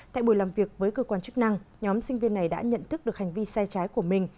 tại buổi làm việc với cơ quan chức năng nhóm sinh viên này đã nhận thức được hành vi sai trái của mình